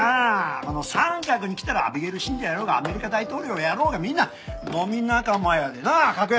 このサンカクに来たらアビゲイル信者やろうがアメリカ大統領やろうがみんな飲み仲間やでなあ賀来！